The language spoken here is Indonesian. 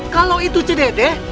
kalau itu cedede